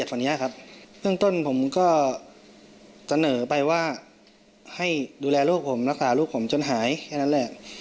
แต่อันนี้เด็กมันเล็กถ้าให้รายละเอียดกว่านี้ครับ